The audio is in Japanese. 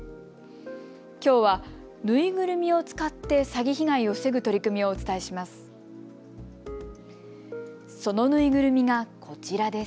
きょうはぬいぐるみを使って詐欺被害を防ぐ取り組みをお伝えします。